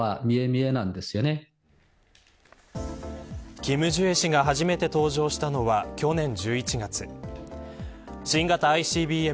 キム・ジュエ氏が初めて登場したのは去年１１月新型ＩＣＢＭ